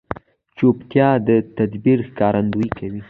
چوپتیا، د تدبیر ښکارندویي کوي.